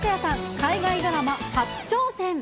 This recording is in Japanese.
海外ドラマ初挑戦。